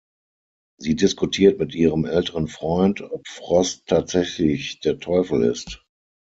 Sie diskutiert mit ihrem älteren Freund, ob Frost tatsächlich der Teufel ist.